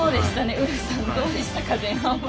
ウルフさん、どうでしたかね。